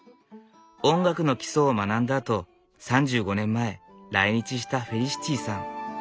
音楽の基礎を学んだあと３５年前来日したフェリシティさん。